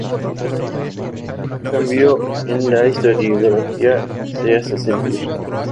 Un cambio en la historiografía se hacía sentir.